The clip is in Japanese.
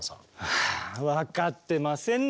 はあ分かってませんね。